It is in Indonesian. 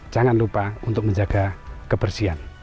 jangan lupa untuk menjaga kebersihan